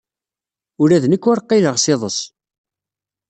Ula d nekk ur qqileɣ s iḍes.